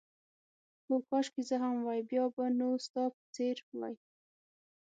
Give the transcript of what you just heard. هو، کاشکې زه هم وای، بیا به نو ستا په څېر وای.